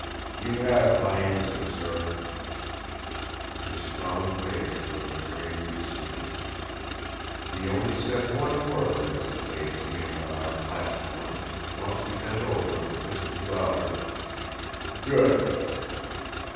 "You have my answer, sir!" His strong face looked gravely sweet. He only said one word as he laid his hand on our clasped ones, whilst he bent over and kissed his daughter: "Good!"